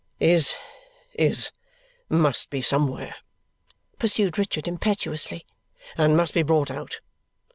"Is is must be somewhere," pursued Richard impetuously, "and must be brought out.